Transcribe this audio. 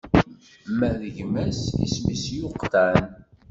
Ma d gma-s isem-is Yuqtan.